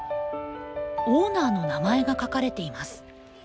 オーナーの名前が書かれています。